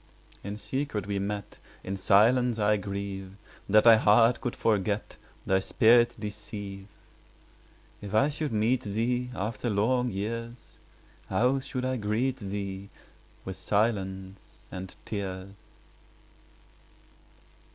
In secret we met— 25 In silence I grieve, That thy heart could forget, Thy spirit deceive. If I should meet thee After long years, 30 How should I greet thee? With silence and tears.